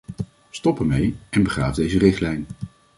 Stop ermee en begraaf deze richtlijn.